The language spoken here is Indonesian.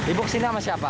ibu kesini sama siapa